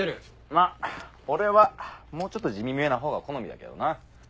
まっ俺はもうちょっと地味めな方が好みだけどな。